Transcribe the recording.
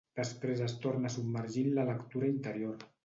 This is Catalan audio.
Després es torna a submergir en la lectura interior.